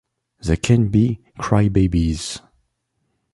They can be crybabies.